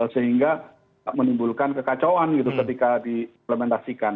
sehingga menimbulkan kekacauan gitu ketika diimplementasikan